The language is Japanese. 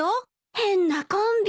変なコンビ。